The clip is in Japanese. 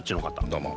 どうも。